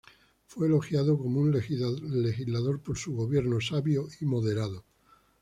Fue elogiado como un legislador por su "gobierno sabio y moderado".